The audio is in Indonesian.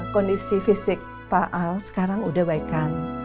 kondisi fisik pak al sekarang udah baikan